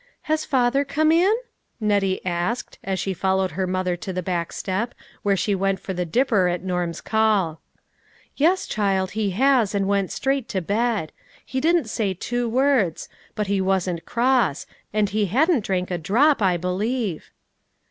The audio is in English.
" Has father come in ?" Nettie asked, as she followed her mother to the back step, where she went for the dipper at Norm's call. " Yes, child, he has, and went straight to bed. He didn't say two words ; but he wasn't cross ; and he hadn't drank a drop, I believe."